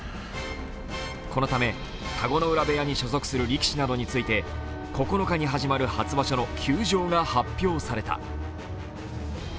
このため、田子ノ浦部屋に所属する力士などについて９日に始まる初場所の休場が発表された。